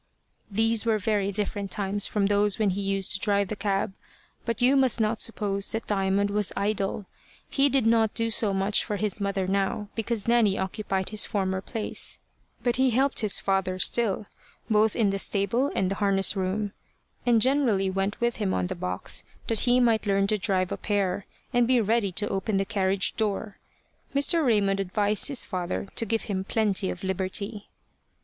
These were very different times from those when he used to drive the cab, but you must not suppose that Diamond was idle. He did not do so much for his mother now, because Nanny occupied his former place; but he helped his father still, both in the stable and the harness room, and generally went with him on the box that he might learn to drive a pair, and be ready to open the carriage door. Mr. Raymond advised his father to give him plenty of liberty.